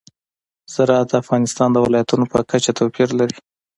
زراعت د افغانستان د ولایاتو په کچه توپیر لري.